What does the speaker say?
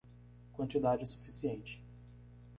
Quantidade suficiente